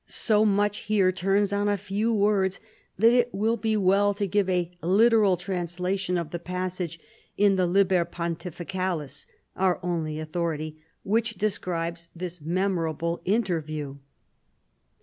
So much here turns on a few words that it Avill be well to give a literal translation of the passage in the Liher Pontificalis (our only authority), which describes this memorable inter view.